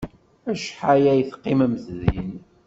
Acḥal ay teqqimemt din?